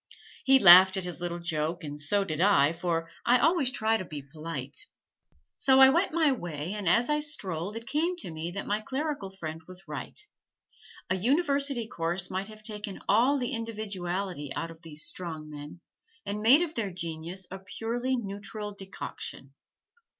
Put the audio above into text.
He laughed at his little joke and so did I, for I always try to be polite. So I went my way, and as I strolled it came to me that my clerical friend was right a university course might have taken all the individuality out of these strong men and made of their genius a purely neutral decoction.